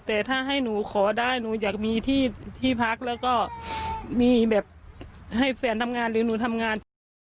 แต่ถ้าให้หนูขอได้หนูอยากมีที่ที่พักแล้วก็มีแบบให้แฟนทำงานหรือหนูทำงาน